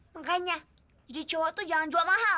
makanya jadi cowok tuh jangan jual mahal